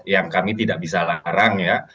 yang kami tidak bisa larang ya